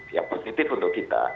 yang positif untuk kita